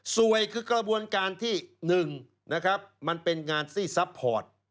สวยคือกระบวนการที่๑นะครับมันเป็นงานที่ซัพพอร์ต